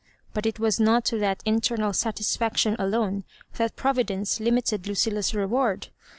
But it was not to that internal satisfao tion alone that Providence limited LudUa's re ward.